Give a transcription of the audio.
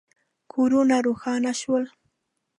کورونه روښانه شول.